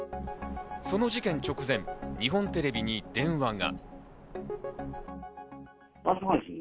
その事件直前、日本テレビに電話が。